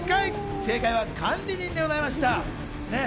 正解は管理人でございました。